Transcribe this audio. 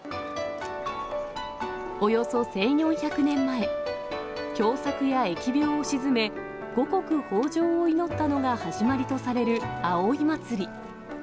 およそ１４００年前、凶作や疫病を鎮め、五穀豊じょうを祈ったのが始まりとされる葵祭。